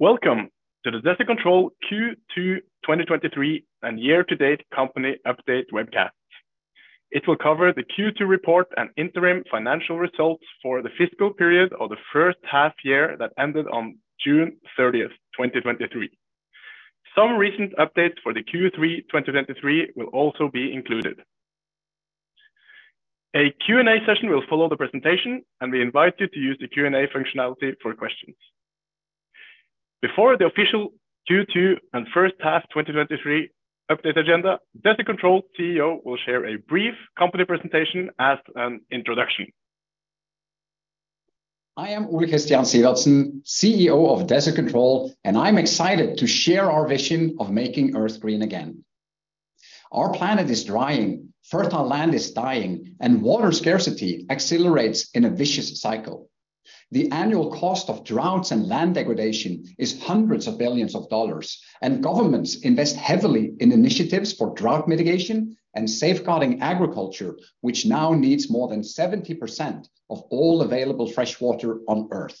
Welcome to the Desert Control Q2 2023 and year-to-date company update webcast. It will cover the Q2 report and interim financial results for the fiscal period of the first half year that ended on June 30, 2023. Some recent updates for the Q3 2023 will also be included. A Q&A session will follow the presentation, and we invite you to use the Q&A functionality for questions. Before the official Q2 and first half 2023 update agenda, Desert Control CEO will share a brief company presentation as an introduction. I am Ole Kristian Sivertsen, CEO of Desert Control, and I'm excited to share our vision of making Earth green again. Our planet is drying, fertile land is dying, and water scarcity accelerates in a vicious cycle. The annual cost of droughts and land degradation is $hundreds of billions, and governments invest heavily in initiatives for drought mitigation and safeguarding agriculture, which now needs more than 70% of all available fresh water on Earth.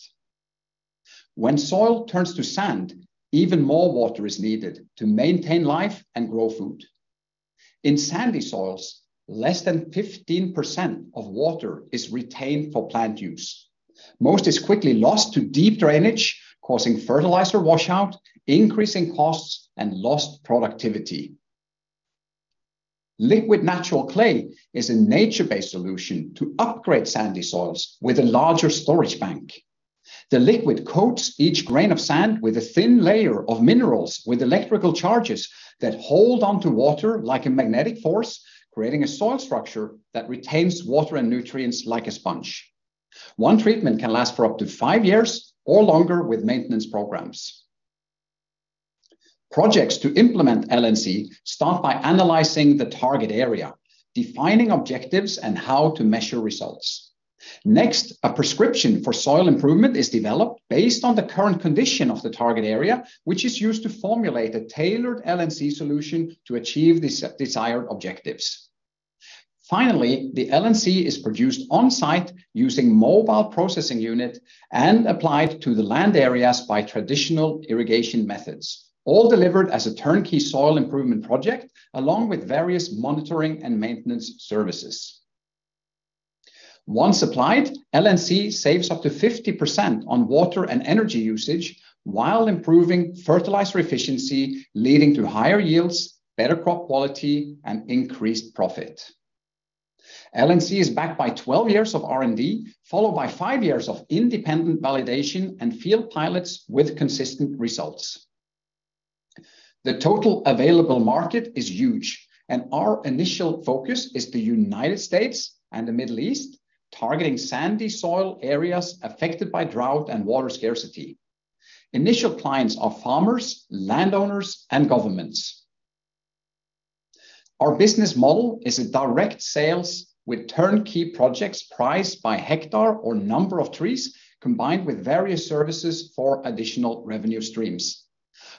When soil turns to sand, even more water is needed to maintain life and grow food. In sandy soils, less than 15% of water is retained for plant use. Most is quickly lost to deep drainage, causing fertilizer washout, increasing costs, and lost productivity. Liquid Natural Clay is a nature-based solution to upgrade sandy soils with a larger storage bank. The liquid coats each grain of sand with a thin layer of minerals, with electrical charges that hold onto water like a magnetic force, creating a soil structure that retains water and nutrients like a sponge. One treatment can last for up to five years or longer with maintenance programs. Projects to implement LNC start by analyzing the target area, defining objectives and how to measure results. Next, a prescription for soil improvement is developed based on the current condition of the target area, which is used to formulate a tailored LNC solution to achieve the desired objectives. Finally, the LNC is produced on-site using mobile processing unit and applied to the land areas by traditional irrigation methods, all delivered as a turnkey soil improvement project, along with various monitoring and maintenance services. Once applied, LNC saves up to 50% on water and energy usage while improving fertilizer efficiency, leading to higher yields, better crop quality, and increased profit. LNC is backed by 12 years of R&D, followed by five years of independent validation and field pilots with consistent results. The total available market is huge, and our initial focus is the United States and the Middle East, targeting sandy soil areas affected by drought and water scarcity. Initial clients are farmers, landowners, and governments. Our business model is a direct sales with turnkey projects priced by hectare or number of trees, combined with various services for additional revenue streams.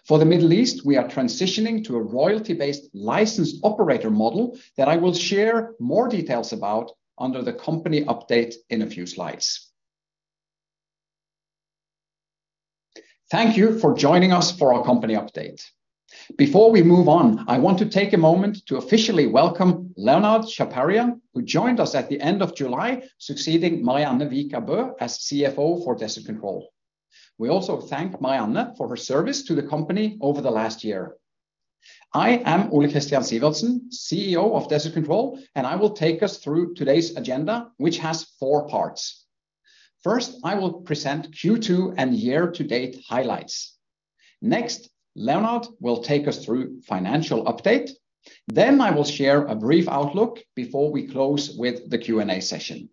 For the Middle East, we are transitioning to a royalty-based licensed operator model that I will share more details about under the company update in a few slides. Thank you for joining us for our company update. Before we move on, I want to take a moment to officially welcome Leonard Chaparian, who joined us at the end of July, succeeding Marianne Vika Bøe as CFO for Desert Control. We also thank Marianne for her service to the company over the last year. I am Ole Kristian Sivertsen, CEO of Desert Control, and I will take us through today's agenda, which has four parts. First, I will present Q2 and year-to-date highlights. Next, Leonard will take us through financial update. Then I will share a brief outlook before we close with the Q&A session.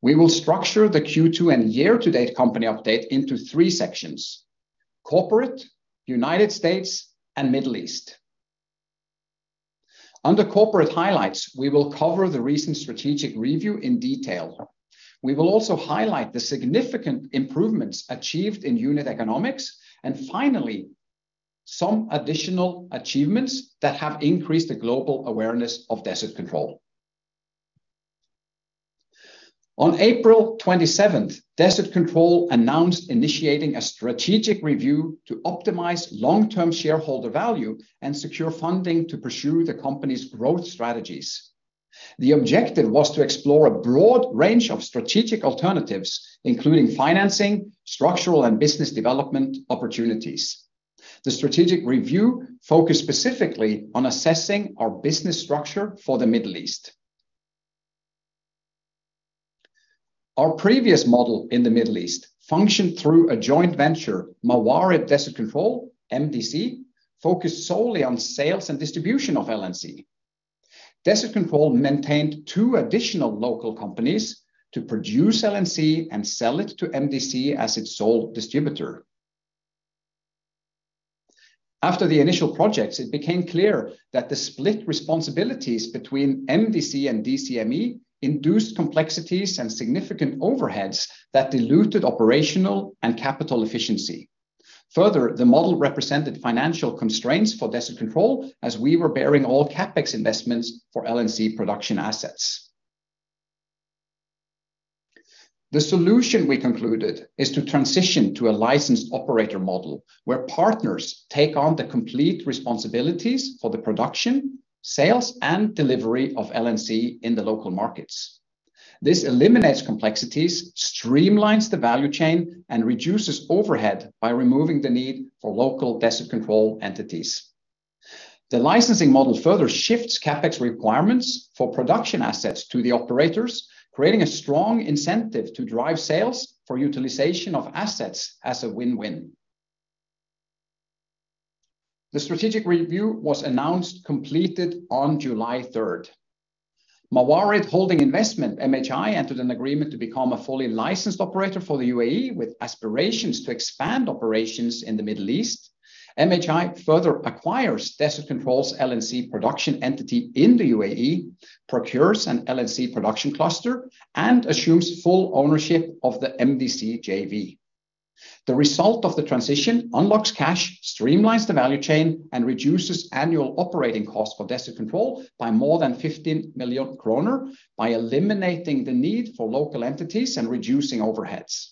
We will structure the Q2 and year-to-date company update into three sections: Corporate, United States, and Middle East. Under corporate highlights, we will cover the recent strategic review in detail. We will also highlight the significant improvements achieved in unit economics, and finally, some additional achievements that have increased the global awareness of Desert Control. On April 27, Desert Control announced initiating a strategic review to optimize long-term shareholder value and secure funding to pursue the company's growth strategies. The objective was to explore a broad range of strategic alternatives, including financing, structural, and business development opportunities. The strategic review focused specifically on assessing our business structure for the Middle East. Our previous model in the Middle East functioned through a joint venture, Mawarid Desert Control, MDC, focused solely on sales and distribution of LNC. Desert Control maintained two additional local companies to produce LNC and sell it to MDC as its sole distributor. After the initial projects, it became clear that the split responsibilities between MDC and DCME induced complexities and significant overheads that diluted operational and capital efficiency. Further, the model represented financial constraints for Desert Control, as we were bearing all CapEx investments for LNC production assets. The solution, we concluded, is to transition to a Licensed Operator Model, where partners take on the complete responsibilities for the production, sales, and delivery of LNC in the local markets. This eliminates complexities, streamlines the value chain, and reduces overhead by removing the need for local Desert Control entities. The licensing model further shifts CapEx requirements for production assets to the operators, creating a strong incentive to drive sales for utilization of assets as a win-win. The strategic review was announced completed on July 3rd. Mawarid Holding Investment, MHI, entered an agreement to become a fully licensed operator for the UAE, with aspirations to expand operations in the Middle East. MHI further acquires Desert Control's LNC production entity in the UAE, procures an LNC production cluster, and assumes full ownership of the MDC JV. The result of the transition unlocks cash, streamlines the value chain, and reduces annual operating costs for Desert Control by more than 15 million kroner, by eliminating the need for local entities and reducing overheads.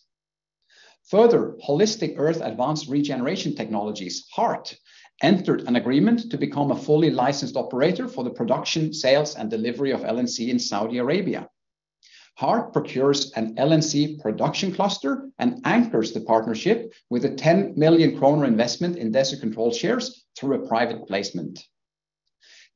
Further, Holistic Earth Advanced Regeneration Technologies, HEART, entered an agreement to become a fully licensed operator for the production, sales, and delivery of LNC in Saudi Arabia. HEART procures an LNC production cluster and anchors the partnership with a 10 million kroner investment in Desert Control shares through a private placement.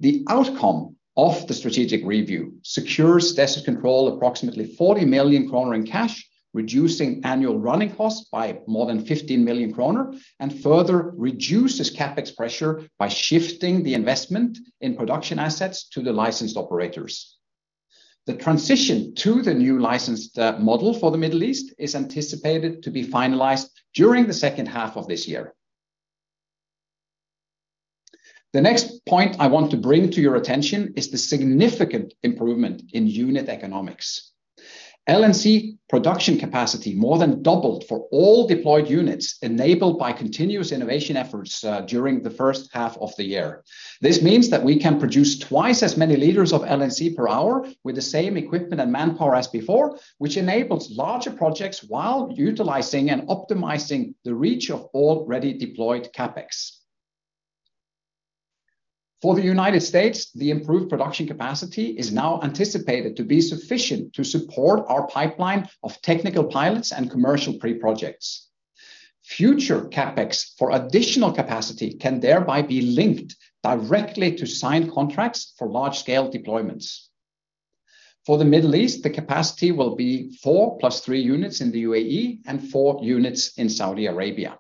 The outcome of the strategic review secures Desert Control approximately 40 million kroner in cash, reducing annual running costs by more than 15 million kroner, and further reduces CapEx pressure by shifting the investment in production assets to the licensed operators. The transition to the new licensed model for the Middle East is anticipated to be finalized during the second half of this year. The next point I want to bring to your attention is the significant improvement in unit economics. LNC production capacity more than doubled for all deployed units, enabled by continuous innovation efforts during the first half of the year. This means that we can produce twice as many liters of LNC per hour with the same equipment and manpower as before, which enables larger projects while utilizing and optimizing the reach of already deployed CapEx. For the United States, the improved production capacity is now anticipated to be sufficient to support our pipeline of technical pilots and commercial pre-projects. Future CapEx for additional capacity can thereby be linked directly to signed contracts for large-scale deployments. For the Middle East, the capacity will be four plus three units in the UAE and four units in Saudi Arabia.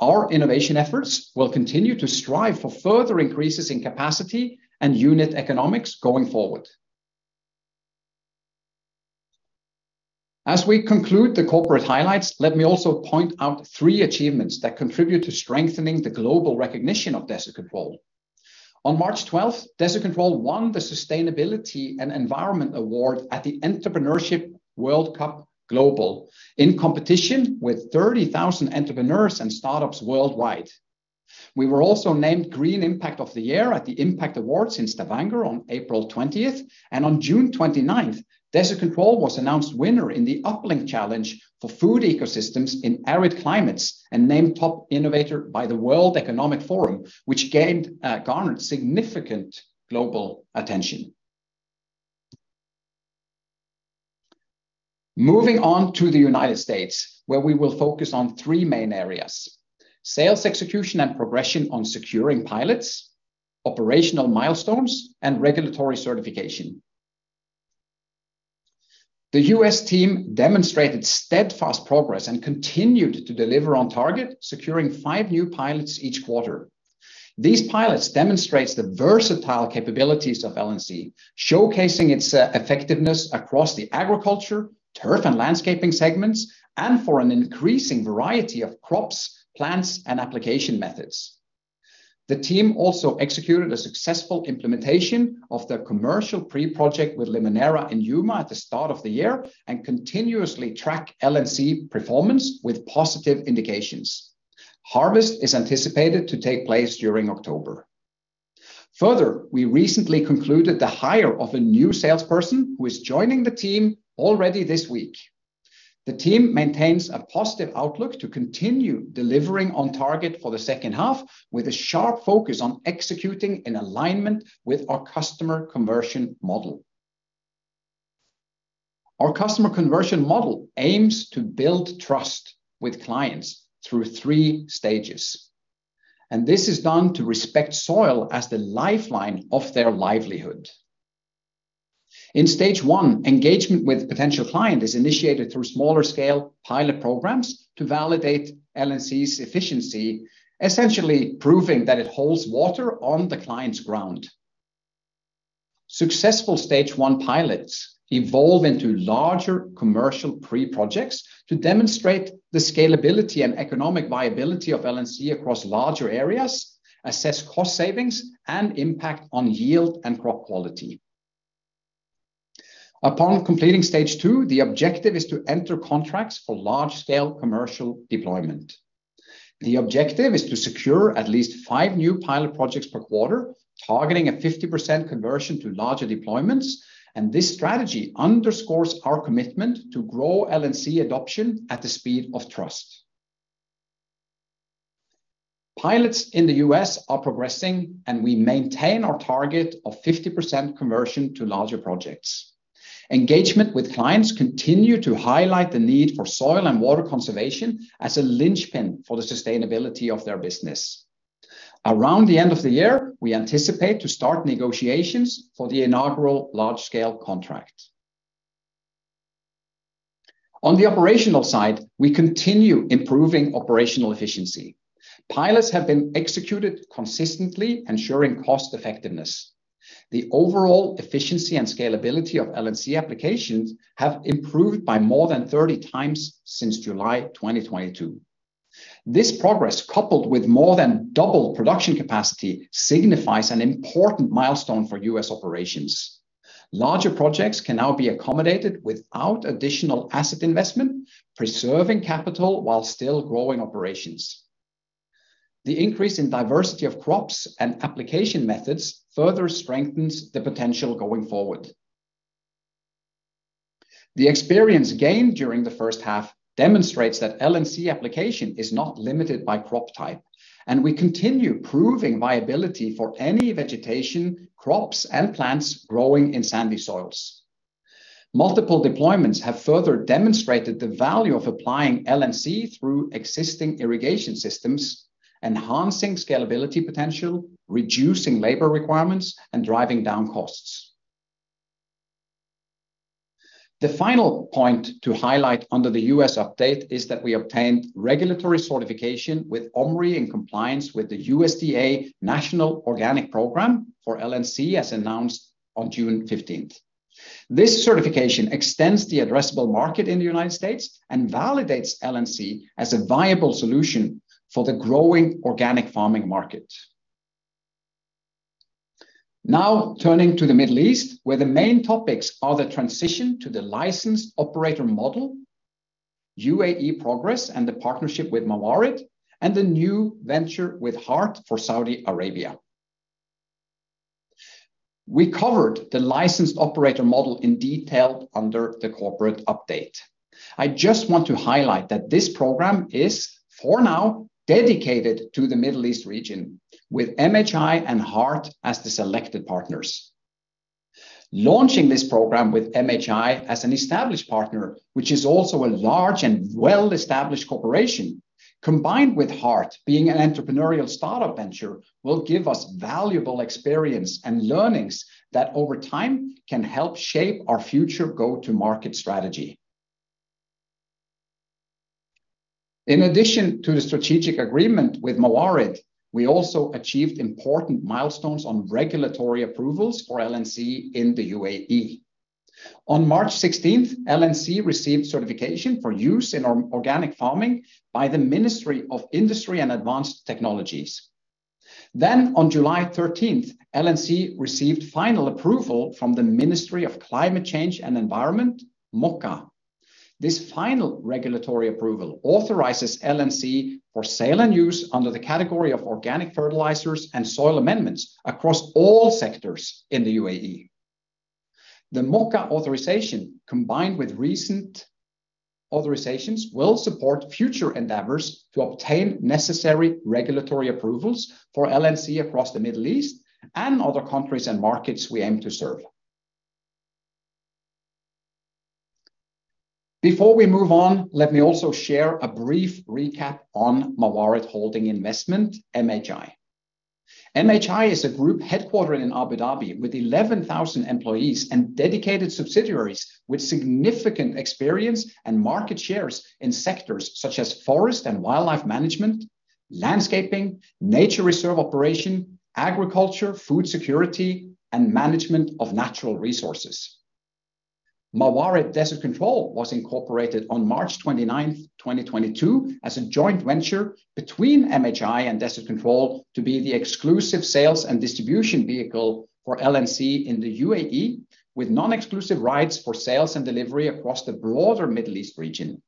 Our innovation efforts will continue to strive for further increases in capacity and unit economics going forward. As we conclude the corporate highlights, let me also point out three achievements that contribute to strengthening the global recognition of Desert Control. On March 12th, Desert Control won the Sustainability and Environment Award at the Entrepreneurship World Cup Global, in competition with 30,000 entrepreneurs and startups worldwide. We were also named Green Impact of the Year at the Impact Awards in Stavanger on April twentieth. On June twenty-ninth, Desert Control was announced winner in the Uplink Challenge for food ecosystems in arid climates, and named Top Innovator by the World Economic Forum, which garnered significant global attention. Moving on to the United States, where we will focus on three main areas: sales, execution, and progression on securing pilots, operational milestones, and regulatory certification. The U.S. team demonstrated steadfast progress and continued to deliver on target, securing five new pilots each quarter. These pilots demonstrates the versatile capabilities of LNC, showcasing its effectiveness across the agriculture, turf, and landscaping segments, and for an increasing variety of crops, plants, and application methods. The team also executed a successful implementation of their commercial pre-project with Limoneira in Yuma at the start of the year, and continuously track LNC performance with positive indications. Harvest is anticipated to take place during October. Further, we recently concluded the hire of a new salesperson, who is joining the team already this week. The team maintains a positive outlook to continue delivering on target for the second half, with a sharp focus on executing in alignment with our customer conversion model. Our customer conversion model aims to build trust with clients through three stages, and this is done to respect soil as the lifeline of their livelihood. In stage one, engagement with potential client is initiated through smaller-scale pilot programs to validate LNC's efficiency, essentially proving that it holds water on the client's ground. Successful stage one pilots evolve into larger commercial pre-projects to demonstrate the scalability and economic viability of LNC across larger areas, assess cost savings, and impact on yield and crop quality. Upon completing stage two, the objective is to enter contracts for large-scale commercial deployment.... The objective is to secure at least five new pilot projects per quarter, targeting a 50% conversion to larger deployments, and this strategy underscores our commitment to grow LNC adoption at the speed of trust. Pilots in the U.S. are progressing, and we maintain our target of 50% conversion to larger projects. Engagement with clients continue to highlight the need for soil and water conservation as a linchpin for the sustainability of their business. Around the end of the year, we anticipate to start negotiations for the inaugural large-scale contract. On the operational side, we continue improving operational efficiency. Pilots have been executed consistently, ensuring cost effectiveness. The overall efficiency and scalability of LNC applications have improved by more than 30 times since July 2022. This progress, coupled with more than double production capacity, signifies an important milestone for U.S. operations. Larger projects can now be accommodated without additional asset investment, preserving capital while still growing operations. The increase in diversity of crops and application methods further strengthens the potential going forward. The experience gained during the first half demonstrates that LNC application is not limited by crop type, and we continue proving viability for any vegetation, crops, and plants growing in sandy soils. Multiple deployments have further demonstrated the value of applying LNC through existing irrigation systems, enhancing scalability potential, reducing labor requirements, and driving down costs. The final point to highlight under the U.S. update is that we obtained regulatory certification with OMRI in compliance with the USDA National Organic Program for LNC, as announced on June fifteenth. This certification extends the addressable market in the United States and validates LNC as a viable solution for the growing organic farming market. Now, turning to the Middle East, where the main topics are the transition to the licensed operator model, UAE progress, and the partnership with Mawarid, and the new venture with HEART for Saudi Arabia. We covered the licensed operator model in detail under the corporate update. I just want to highlight that this program is, for now, dedicated to the Middle East region, with MHI and HEART as the selected partners. Launching this program with MHI as an established partner, which is also a large and well-established corporation, combined with HEART being an entrepreneurial startup venture, will give us valuable experience and learnings that, over time, can help shape our future go-to-market strategy. In addition to the strategic agreement with Mawarid, we also achieved important milestones on regulatory approvals for LNC in the UAE. On March sixteenth, LNC received certification for use in organic farming by the Ministry of Industry and Advanced Technologies. On July thirteenth, LNC received final approval from the Ministry of Climate Change and Environment, MOCCAE. This final regulatory approval authorizes LNC for sale and use under the category of organic fertilizers and soil amendments across all sectors in the UAE. The MOCCAE authorization, combined with recent authorizations, will support future endeavors to obtain necessary regulatory approvals for LNC across the Middle East and other countries and markets we aim to serve. Before we move on, let me also share a brief recap on Mawarid Holding Investment, MHI. MHI is a group headquartered in Abu Dhabi with 11,000 employees and dedicated subsidiaries with significant experience and market shares in sectors such as forest and wildlife management, landscaping, nature reserve operation, agriculture, food security, and management of natural resources. Mawarid Desert Control was incorporated on March 29th, 2022, as a joint venture between MHI and Desert Control to be the exclusive sales and distribution vehicle for LNC in the UAE, with non-exclusive rights for sales and delivery across the broader Middle East region.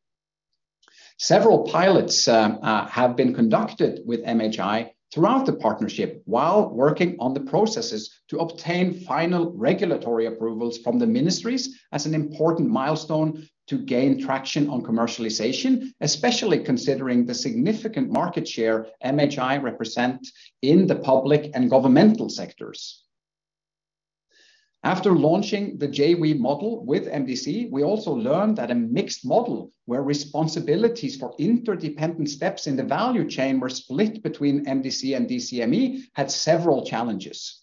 Several pilots have been conducted with MHI throughout the partnership while working on the processes to obtain final regulatory approvals from the ministries as an important milestone to gain traction on commercialization, especially considering the significant market share MHI represent in the public and governmental sectors. After launching the JV model with MDC, we also learned that a mixed model, where responsibilities for interdependent steps in the value chain were split between MDC and DCME, had several challenges.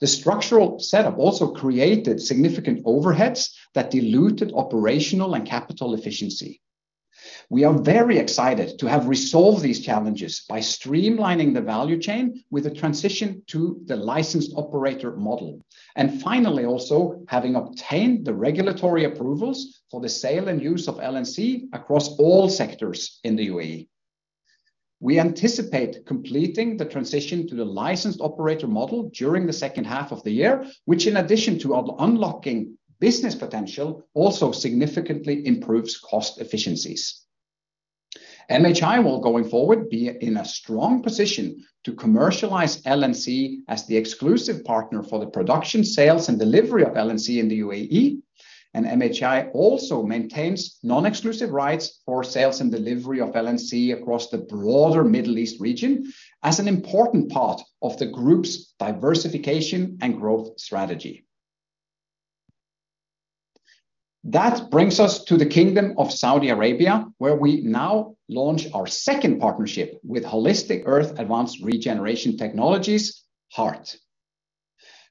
The structural setup also created significant overheads that diluted operational and capital efficiency. We are very excited to have resolved these challenges by streamlining the value chain with a transition to the Licensed Operator Model, and finally, also, having obtained the regulatory approvals for the sale and use of LNC across all sectors in the UAE. We anticipate completing the transition to the Licensed Operator Model during the second half of the year, which, in addition to unlocking business potential, also significantly improves cost efficiencies. MHI will, going forward, be in a strong position to commercialize LNC as the exclusive partner for the production, sales, and delivery of LNC in the UAE. MHI also maintains non-exclusive rights for sales and delivery of LNC across the broader Middle East region as an important part of the group's diversification and growth strategy. That brings us to the Kingdom of Saudi Arabia, where we now launch our second partnership with Holistic Earth Advanced Regeneration Technologies, HEART.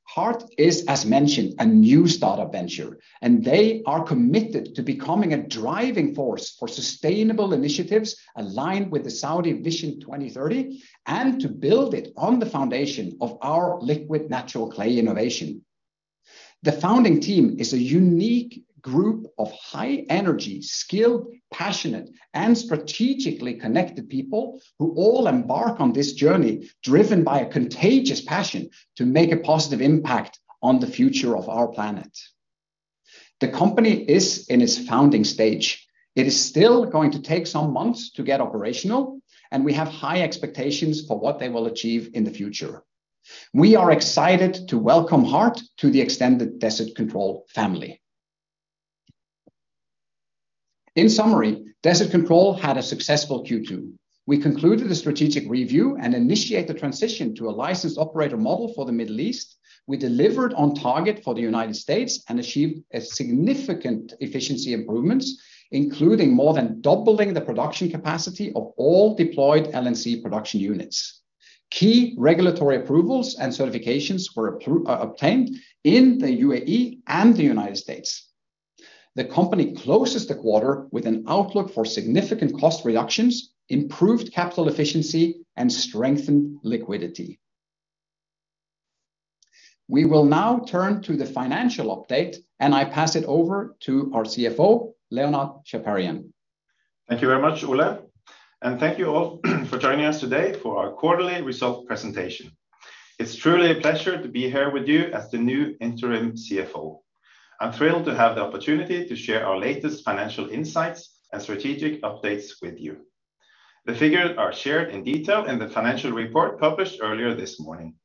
HEART is, as mentioned, a new startup venture, and they are committed to becoming a driving force for sustainable initiatives aligned with the Saudi Vision 2030, and to build it on the foundation of our liquid natural clay innovation. The founding team is a unique group of high-energy, skilled, passionate, and strategically connected people, who all embark on this journey driven by a contagious passion to make a positive impact on the future of our planet. The company is in its founding stage. It is still going to take some months to get operational, and we have high expectations for what they will achieve in the future. We are excited to welcome HEART to the extended Desert Control family. In summary, Desert Control had a successful Q2. We concluded a strategic review and initiate the transition to a Licensed Operator Model for the Middle East. We delivered on target for the United States and achieved a significant efficiency improvements, including more than doubling the production capacity of all deployed LNC production units. Key regulatory approvals and certifications were obtained in the UAE and the United States. The company closes the quarter with an outlook for significant cost reductions, improved capital efficiency, and strengthened liquidity. We will now turn to the financial update, and I pass it over to our CFO, Leonard Chaparian. Thank you very much, Ole, and thank you all for joining us today for our quarterly result presentation. It's truly a pleasure to be here with you as the new interim CFO. I'm thrilled to have the opportunity to share our latest financial insights and strategic updates with you. The figures are shared in detail in the financial report published earlier this morning.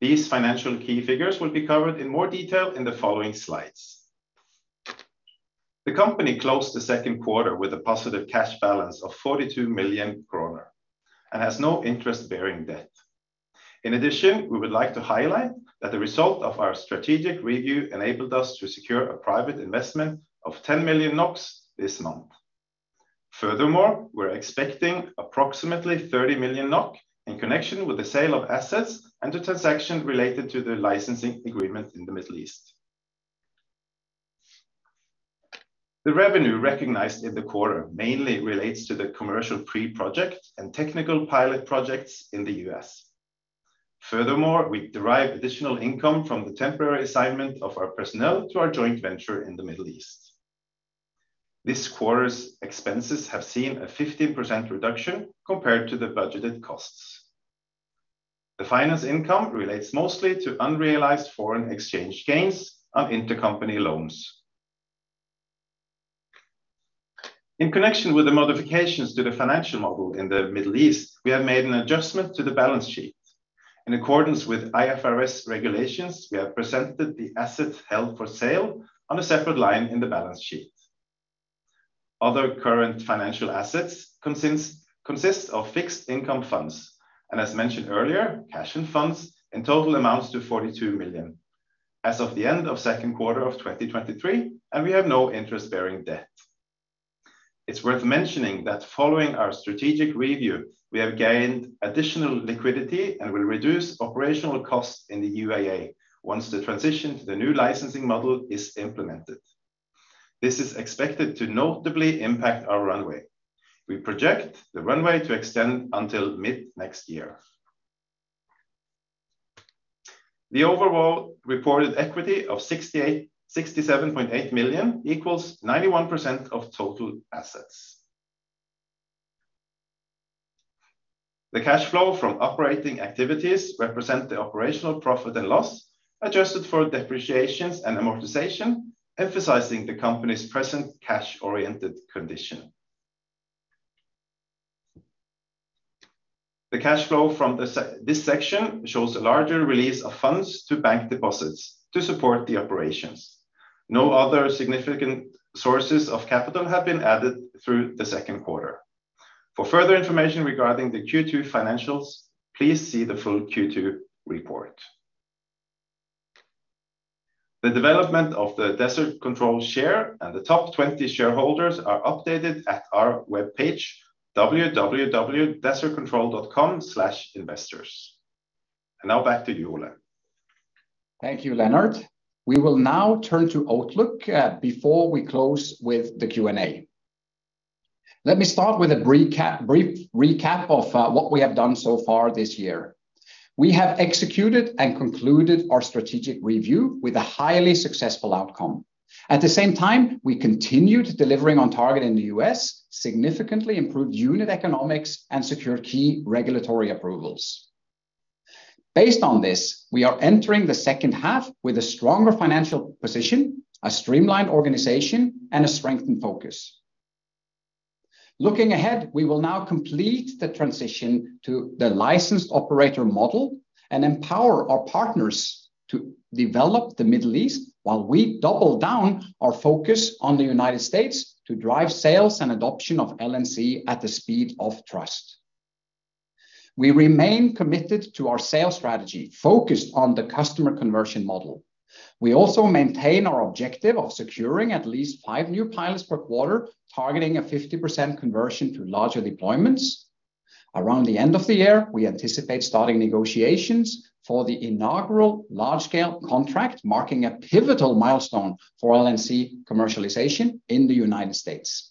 These financial key figures will be covered in more detail in the following slides. The company closed the second quarter with a positive cash balance of 42 million kroner and has no interest-bearing debt. In addition, we would like to highlight that the result of our strategic review enabled us to secure a private investment of 10 million NOK this month. Furthermore, we're expecting approximately 30 million NOK in connection with the sale of assets and the transaction related to the licensing agreement in the Middle East. The revenue recognized in the quarter mainly relates to the commercial pre-project and technical pilot projects in the U.S. Furthermore, we derive additional income from the temporary assignment of our personnel to our joint venture in the Middle East. This quarter's expenses have seen a 15% reduction compared to the budgeted costs. The finance income relates mostly to unrealized foreign exchange gains on intercompany loans. In connection with the modifications to the financial model in the Middle East, we have made an adjustment to the balance sheet. In accordance with IFRS regulations, we have presented the assets held for sale on a separate line in the balance sheet. Other current financial assets consists of fixed income funds, and as mentioned earlier, cash and funds, in total amounts to 42 million. As of the end of second quarter of 2023, and we have no interest-bearing debt. It's worth mentioning that following our strategic review, we have gained additional liquidity and will reduce operational costs in the UAE once the transition to the new licensing model is implemented. This is expected to notably impact our runway. We project the runway to extend until mid-next year. The overall reported equity of 67.8 million equals 91% of total assets. The cash flow from operating activities represent the operational profit and loss, adjusted for depreciations and amortization, emphasizing the company's present cash-oriented condition. The cash flow from this section shows a larger release of funds to bank deposits to support the operations. No other significant sources of capital have been added through the second quarter. For further information regarding the Q2 financials, please see the full Q2 report. The development of the Desert Control share and the top 20 shareholders are updated at our webpage, www.desertcontrol.com/investors. And now back to you, Ole. Thank you, Leonard. We will now turn to outlook, before we close with the Q&A. Let me start with a brief recap of what we have done so far this year. We have executed and concluded our strategic review with a highly successful outcome. At the same time, we continued delivering on target in the U.S., significantly improved unit economics, and secured key regulatory approvals... Based on this, we are entering the second half with a stronger financial position, a streamlined organization, and a strengthened focus. Looking ahead, we will now complete the transition to the Licensed Operator Model and empower our partners to develop the Middle East while we double down our focus on the United States to drive sales and adoption of LNC at the speed of trust. We remain committed to our sales strategy, focused on the customer conversion model. We also maintain our objective of securing at least five new pilots per quarter, targeting a 50% conversion to larger deployments. Around the end of the year, we anticipate starting negotiations for the inaugural large-scale contract, marking a pivotal milestone for LNC commercialization in the United States.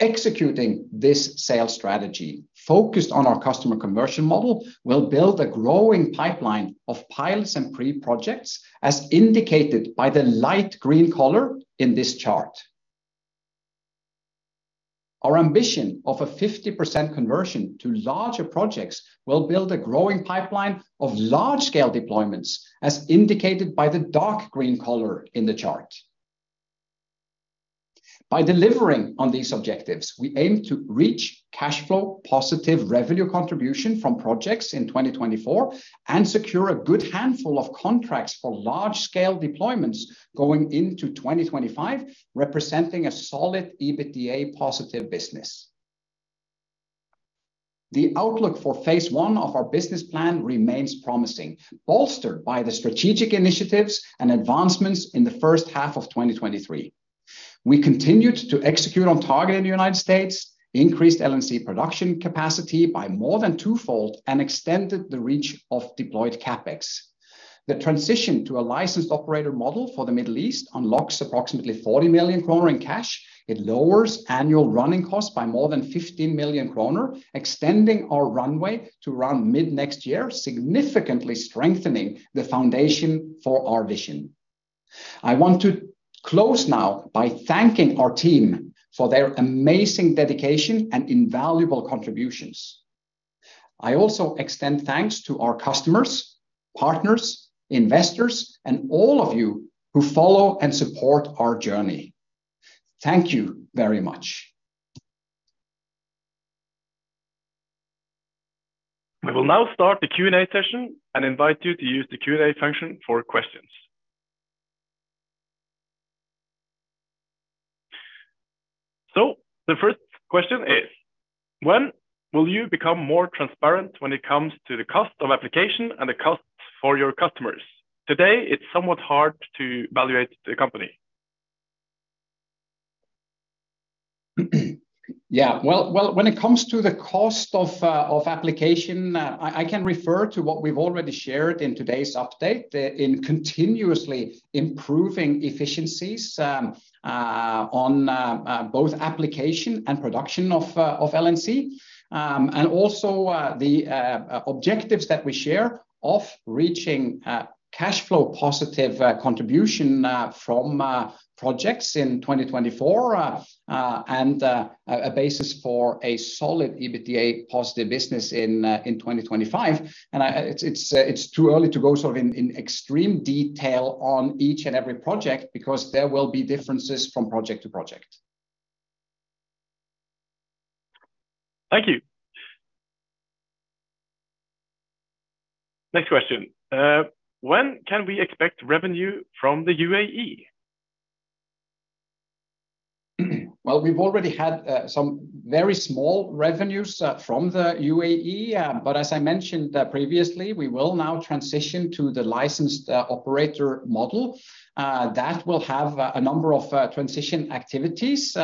Executing this sales strategy, focused on our customer conversion model, will build a growing pipeline of pilots and pre-projects, as indicated by the light green color in this chart. Our ambition of a 50% conversion to larger projects will build a growing pipeline of large-scale deployments, as indicated by the dark green color in the chart. By delivering on these objectives, we aim to reach cash flow positive revenue contribution from projects in 2024, and secure a good handful of contracts for large-scale deployments going into 2025, representing a solid EBITDA positive business. The outlook for phase one of our business plan remains promising, bolstered by the strategic initiatives and advancements in the first half of 2023. We continued to execute on target in the United States, increased LNC production capacity by more than twofold, and extended the reach of deployed CapEx. The transition to a licensed operator model for the Middle East unlocks approximately 40 million kroner in cash. It lowers annual running costs by more than 15 million kroner, extending our runway to around mid-next year, significantly strengthening the foundation for our vision. I want to close now by thanking our team for their amazing dedication and invaluable contributions. I also extend thanks to our customers, partners, investors, and all of you who follow and support our journey. Thank you very much. We will now start the Q&A session and invite you to use the Q&A function for questions. So the first question is: When will you become more transparent when it comes to the cost of application and the cost for your customers? Today, it's somewhat hard to evaluate the company. Yeah, well, well, when it comes to the cost of application, I can refer to what we've already shared in today's update, in continuously improving efficiencies on both application and production of LNC. And also, the objectives that we share of reaching cash flow positive contribution from projects in 2024, and a basis for a solid EBITDA positive business in 2025. And it's too early to go sort of in extreme detail on each and every project, because there will be differences from project to project. Thank you. Next question. When can we expect revenue from the UAE? Well, we've already had some very small revenues from the UAE. But as I mentioned previously, we will now transition to the licensed operator model. That will have a number of transition activities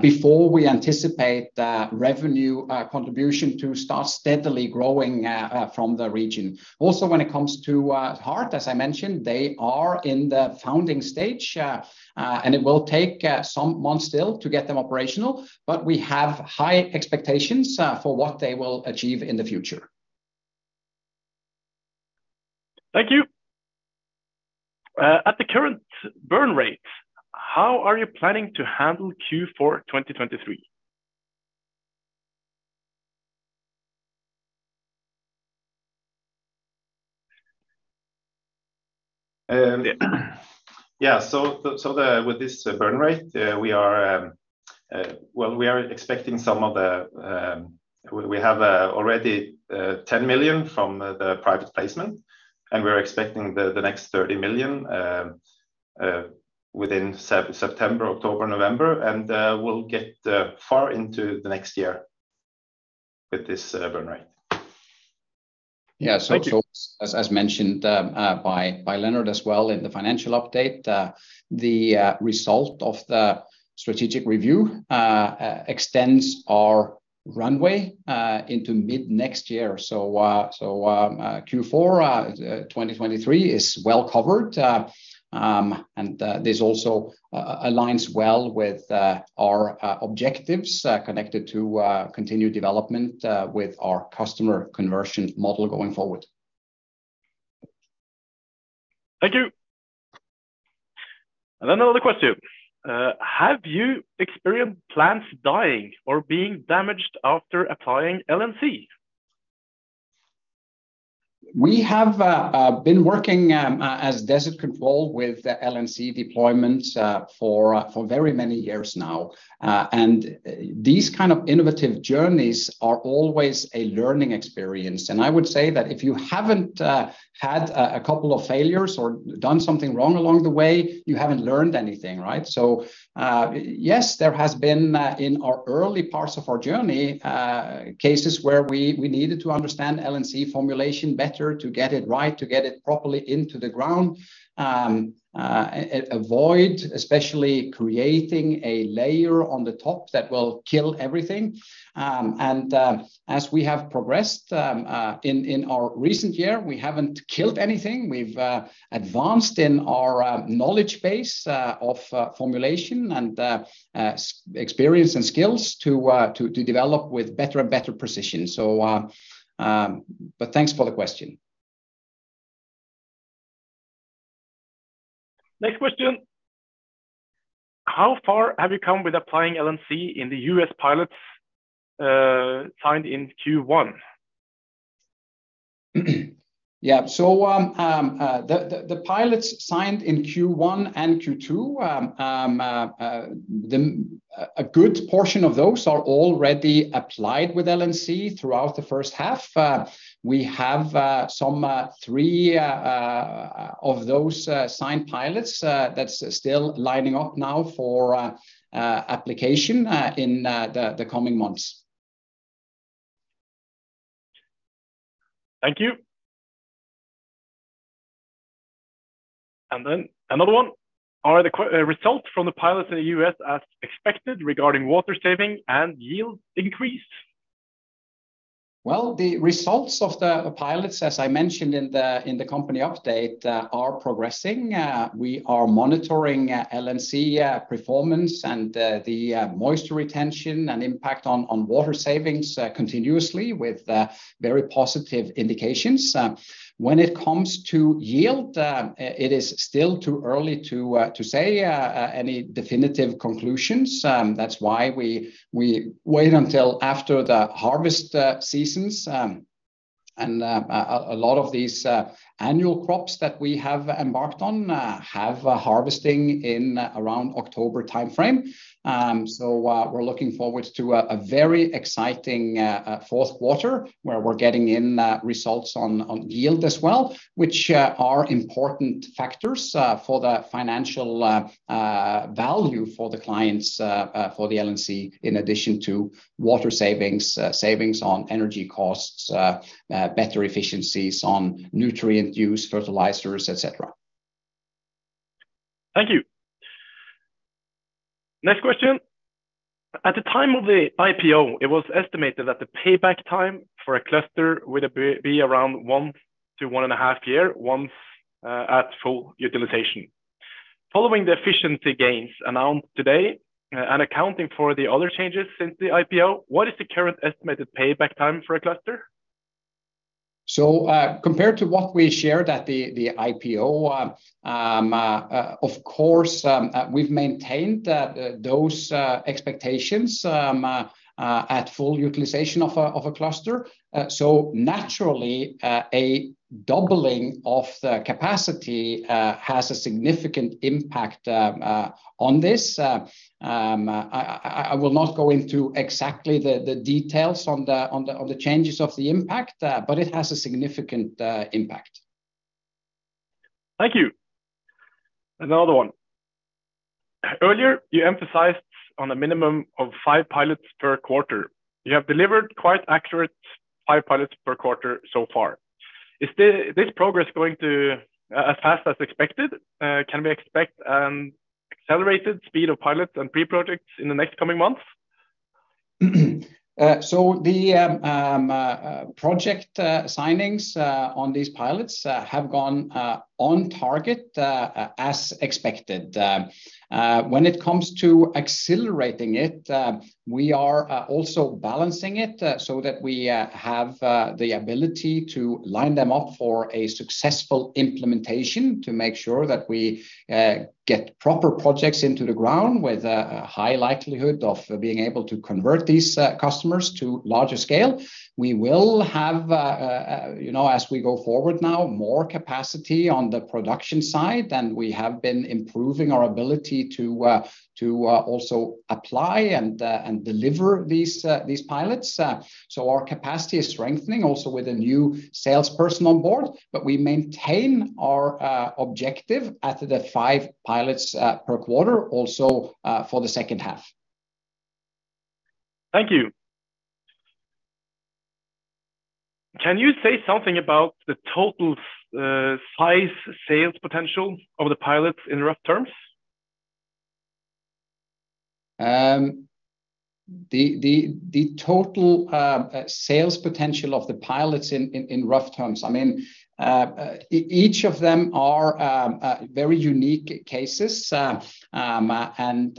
before we anticipate the revenue contribution to start steadily growing from the region. Also, when it comes to HEART, as I mentioned, they are in the founding stage and it will take some months still to get them operational, but we have high expectations for what they will achieve in the future. Thank you. At the current burn rate, how are you planning to handle Q4 2023? Yeah. So, with this burn rate, well, we are expecting some of the... We have already 10 million from the private placement, and we're expecting the next 30 million within September, October, November, and we'll get far into the next year with this burn rate. Yeah. Thank you. So as mentioned by Leonard as well in the financial update, the result of the strategic review extends our runway into mid-next year. So Q4 2023 is well covered. And this also aligns well with our objectives connected to continued development with our customer conversion model going forward.... Thank you. And then another question, have you experienced plants dying or being damaged after applying LNC? We have been working as Desert Control with the LNC deployment for very many years now. These kind of innovative journeys are always a learning experience, and I would say that if you haven't had a couple of failures or done something wrong along the way, you haven't learned anything, right? Yes, there has been in our early parts of our journey cases where we needed to understand LNC formulation better to get it right, to get it properly into the ground. Avoid especially creating a layer on the top that will kill everything. As we have progressed in our recent year, we haven't killed anything. We've advanced in our knowledge base of formulation and experience and skills to develop with better and better precision. So, but thanks for the question. Next question: How far have you come with applying LNC in the U.S. pilots, signed in Q1? Yeah. So, the pilots signed in Q1 and Q2, a good portion of those are already applied with LNC throughout the first half. We have some three of those signed pilots that's still lining up now for application in the coming months. Thank you. And then another one: Are the key results from the pilots in the U.S. as expected regarding water saving and yield increase? Well, the results of the pilots, as I mentioned in the company update, are progressing. We are monitoring LNC performance and the moisture retention and impact on water savings continuously with very positive indications. When it comes to yield, it is still too early to say any definitive conclusions. That's why we wait until after the harvest seasons. And a lot of these annual crops that we have embarked on have a harvesting in around October timeframe. So, we're looking forward to a very exciting fourth quarter, where we're getting in results on yield as well, which are important factors for the financial value for the clients for the LNC, in addition to water savings, savings on energy costs, better efficiencies on nutrient use, fertilizers, et cetera. Thank you. Next question: At the time of the IPO, it was estimated that the payback time for a cluster would be around one to 1.5 years, once at full utilization. Following the efficiency gains announced today, and accounting for the other changes since the IPO, what is the current estimated payback time for a cluster? So, compared to what we shared at the IPO, of course, we've maintained those expectations at full utilization of a cluster. So naturally, a doubling of the capacity has a significant impact on this. I will not go into exactly the details on the changes of the impact, but it has a significant impact. Thank you. Another one: Earlier, you emphasized on a minimum of five pilots per quarter. You have delivered quite accurate five pilots per quarter so far. Is this progress going to as fast as expected? Can we expect accelerated speed of pilots and pre-projects in the next coming months? So the project signings on these pilots have gone on target as expected. When it comes to accelerating it, we are also balancing it so that we have the ability to line them up for a successful implementation, to make sure that we get proper projects into the ground with a high likelihood of being able to convert these customers to larger scale. We will have, you know, as we go forward now, more capacity on the production side, and we have been improving our ability to also apply and deliver these pilots. So our capacity is strengthening also with a new salesperson on board, but we maintain our objective at the five pilots per quarter also for the second half. Thank you. Can you say something about the total, size sales potential of the pilots in rough terms?... the total sales potential of the pilots in rough terms, I mean, each of them are very unique cases. And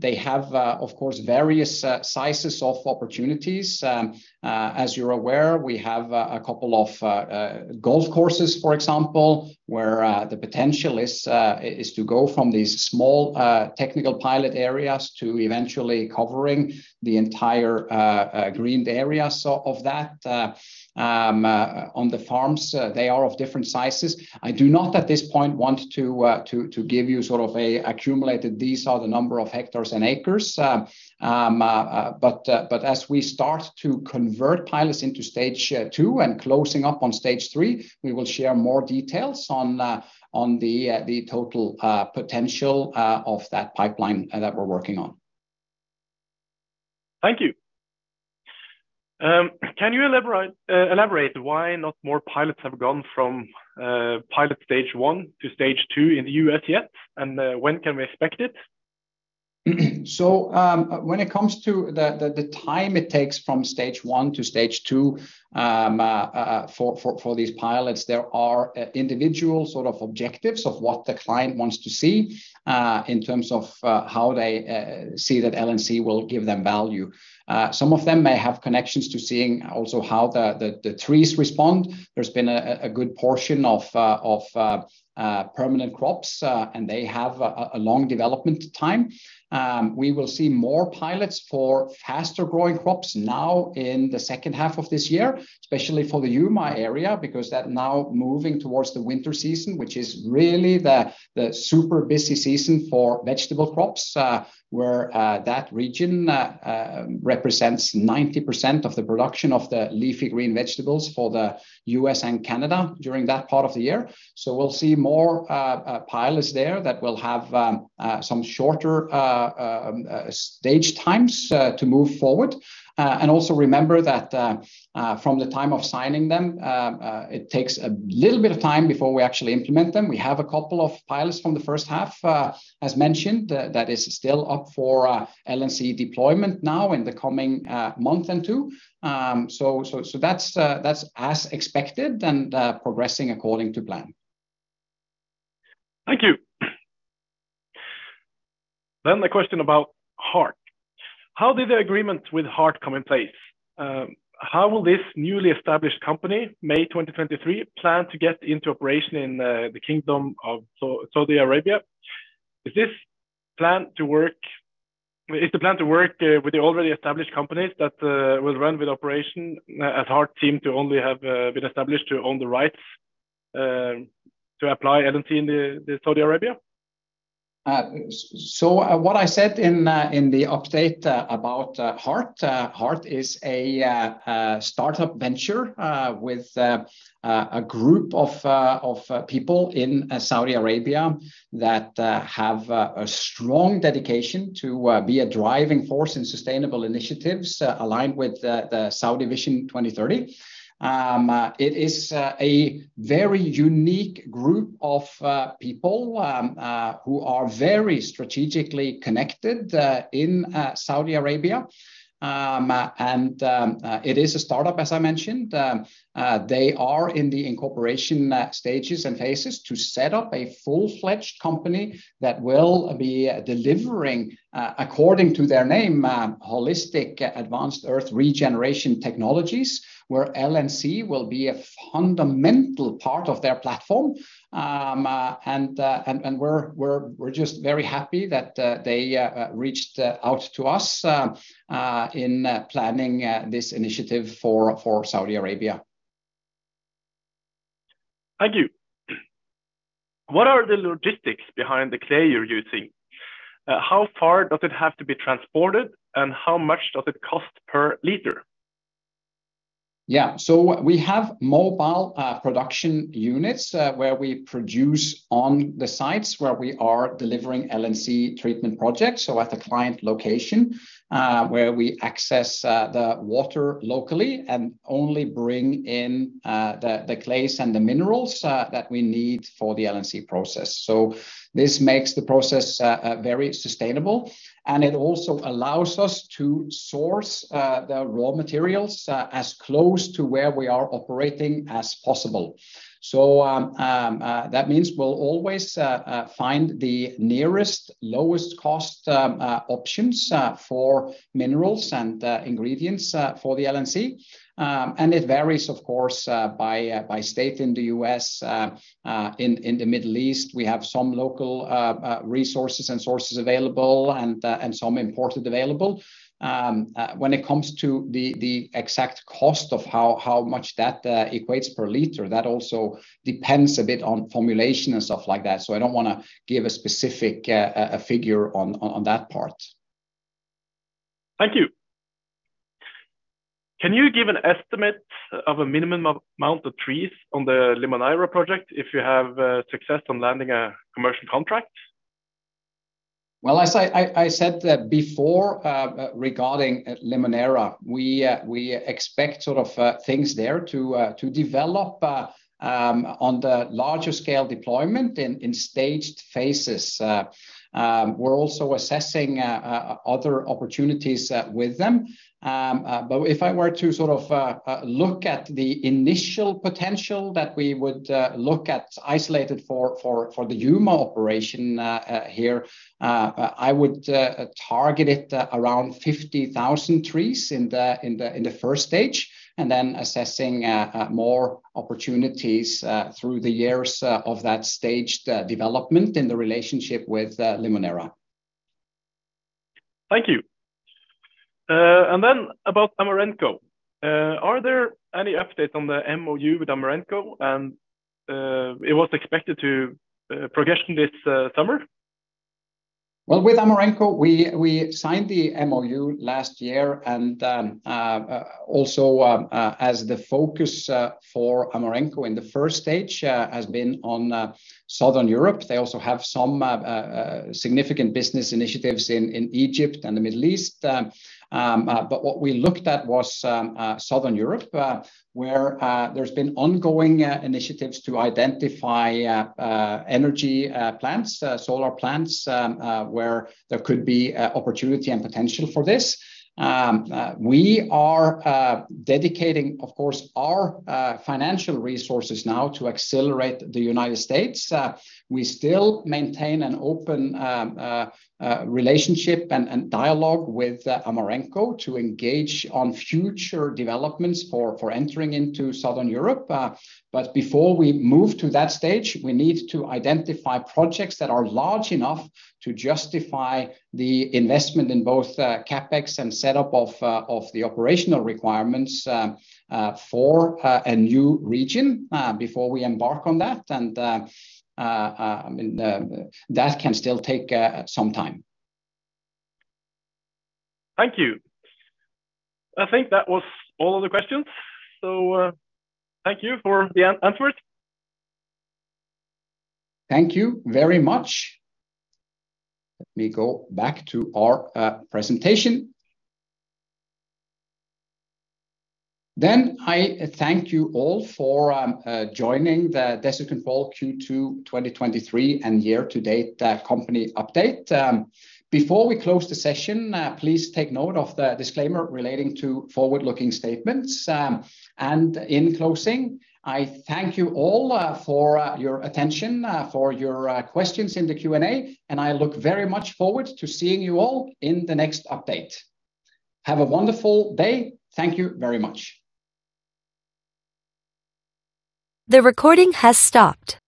they have, of course, various sizes of opportunities. As you're aware, we have a couple of golf courses, for example, where the potential is to go from these small technical pilot areas to eventually covering the entire greened areas of that. On the farms, they are of different sizes. I do not, at this point, want to give you sort of a accumulated, "These are the number of hectares and acres." But as we start to convert pilots into stage two and closing up on stage three, we will share more details on the total potential of that pipeline that we're working on. Thank you. Can you elaborate, elaborate why not more pilots have gone from pilot stage one to stage two in the U.S. yet, and when can we expect it? When it comes to the time it takes from stage one to stage two, for these pilots, there are individual sort of objectives of what the client wants to see, in terms of how they see that LNC will give them value. Some of them may have connections to seeing also how the trees respond. There's been a good portion of permanent crops, and they have a long development time. We will see more pilots for faster-growing crops now in the second half of this year, especially for the Yuma area, because that now moving towards the winter season, which is really the super busy season for vegetable crops, where that region represents 90% of the production of the leafy green vegetables for the U.S. and Canada during that part of the year. So we'll see more pilots there that will have some shorter stage times to move forward. And also remember that, from the time of signing them, it takes a little bit of time before we actually implement them. We have a couple of pilots from the first half, as mentioned, that is still up for LNC deployment now in the coming month and two. So that's as expected and progressing according to plan. Thank you. Then the question about HEART. How did the agreement with HEART come in place? How will this newly established company, May 2023, plan to get into operation in the Kingdom of Saudi Arabia? Is the plan to work with the already established companies that will run with operation, as HEART team to only have been established to own the rights to apply LNC in the Saudi Arabia? So what I said in the update about HEART, HEART is a startup venture with a group of people in Saudi Arabia that have a strong dedication to be a driving force in sustainable initiatives aligned with the Saudi Vision 2030. It is a very unique group of people who are very strategically connected in Saudi Arabia. And it is a startup, as I mentioned. They are in the incorporation stages and phases to set up a full-fledged company that will be delivering according to their name, Holistic Earth Advanced Regeneration Technologies, where LNC will be a fundamental part of their platform. We're just very happy that they reached out to us in planning this initiative for Saudi Arabia. Thank you. What are the logistics behind the clay you're using? How far does it have to be transported, and how much does it cost per liter? Yeah. So we have mobile production units where we produce on the sites where we are delivering LNC treatment projects, so at the client location where we access the water locally and only bring in the clays and the minerals that we need for the LNC process. So this makes the process very sustainable, and it also allows us to source the raw materials as close to where we are operating as possible. So that means we'll always find the nearest, lowest-cost options for minerals and ingredients for the LNC. And it varies, of course, by state in the U.S. In the Middle East, we have some local resources and sources available, and some imported available. When it comes to the exact cost of how much that equates per liter, that also depends a bit on formulation and stuff like that, so I don't want to give a specific figure on that part. Thank you. Can you give an estimate of a minimum amount of trees on the Limoneira project if you have success on landing a commercial contract? ... Well, as I said that before, regarding Limoneira, we expect sort of things there to develop on the larger scale deployment in staged phases. We're also assessing other opportunities with them. But if I were to sort of look at the initial potential that we would look at isolated for the Yuma operation here, I would target it around 50,000 trees in the first stage, and then assessing more opportunities through the years of that staged development in the relationship with Limoneira. Thank you. And then about Amarenco. Are there any updates on the MOU with Amarenco? And it was expected to progression this summer. Well, with Amarenco, we signed the MOU last year, and also, as the focus for Amarenco in the first stage has been on Southern Europe. They also have some significant business initiatives in Egypt and the Middle East. But what we looked at was Southern Europe, where there's been ongoing initiatives to identify energy plants, solar plants, where there could be opportunity and potential for this. We are dedicating, of course, our financial resources now to accelerate the United States. We still maintain an open relationship and dialogue with Amarenco to engage on future developments for entering into Southern Europe. But before we move to that stage, we need to identify projects that are large enough to justify the investment in both CapEx and setup of the operational requirements for a new region before we embark on that. I mean, that can still take some time. Thank you. I think that was all of the questions, so, thank you for the answers. Thank you very much. Let me go back to our presentation. I thank you all for joining the Desert Control Fall Q2 2023 and year-to-date company update. Before we close the session, please take note of the disclaimer relating to forward-looking statements. And in closing, I thank you all for your attention, for your questions in the Q&A, and I look very much forward to seeing you all in the next update. Have a wonderful day. Thank you very much. The recording has stopped.